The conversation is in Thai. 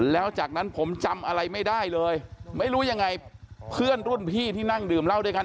แล้วจากนั้นผมจำอะไรไม่ได้เลยไม่รู้ยังไงเพื่อนรุ่นพี่ที่นั่งดื่มเหล้าด้วยกัน